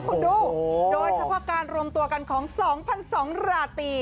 คุณดูโดยทะพาการรวมตัวกันของ๒๐๐๒หลาตี